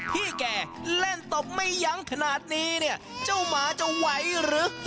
พี่แก่เล่นตบไม่ยั้งขนาดนี้เนี่ยเจ้าหมาจะไหวหรือ